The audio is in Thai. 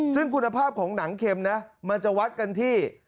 ซึ่งคุณภาพของหนังเข็มนะมันจะวัดกันที่